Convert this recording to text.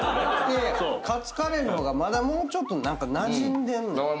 カツカレーの方がまだもうちょっとなじんでんのよ。